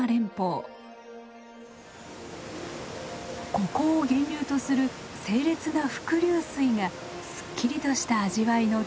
ここを源流とする清冽な伏流水がすっきりとした味わいの決め手です。